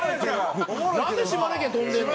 なんで島根県飛んでるの？